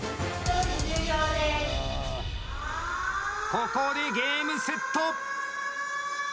ここでゲームセット！